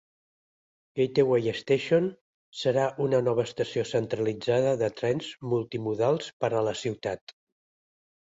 Gateway Station, serà una nova estació centralitzada de trens multi-modals per a la ciutat.